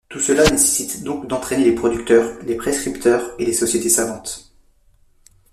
Tout cela nécessite donc d’entraîner les producteurs, les prescripteurs et les sociétés savantes.